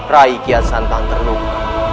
rai kian santan terluka